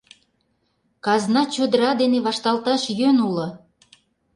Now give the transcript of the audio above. Казна чодыра дене вашталташ йӧн уло.